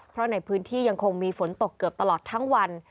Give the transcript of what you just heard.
เพราะในพื้นที่ยังคงมีฝนตกเกือบตลอดทั้งวัน